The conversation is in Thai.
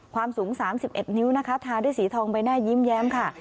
ความสูง๓๑นิ้วนะคะทาด้วยสีทองใบหน้ายิ้มแย้มค่ะ